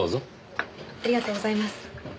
ありがとうございます。